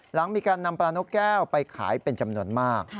หลังมีการนำปลานกแก้วไปขายเป็นจำนวนมาก